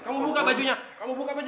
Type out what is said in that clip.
kamu buka bajunya kamu buka baju